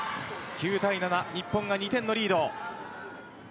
９対７で日本が２点のリードです。